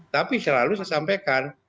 tapi selalu saya sampaikan